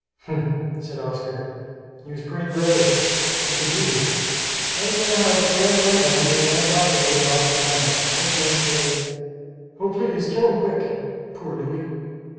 "Humph," said Oscar, "he was pretty brave; what did you do?" "I was in the house; I ran down to him, but when I got there the dog was dying. I heard Ned say, 'Oh! please kill him quick. Poor Louis!'"